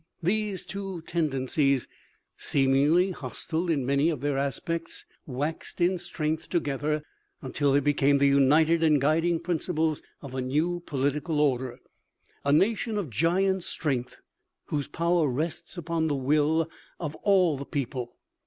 These two tendencies, seemingly hostile in many of their aspects, waxed in strength together until they became the united and guiding principles of a new political order, a nation of giant strength whose power rests upon the will of all the people.